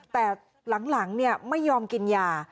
แต่หลังเนี่ยไม่ยอมกินยา